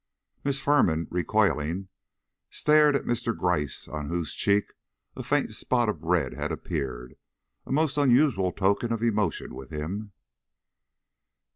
Miss Firman, recoiling, stared at Mr. Gryce, on whose cheek a faint spot of red had appeared a most unusual token of emotion with him.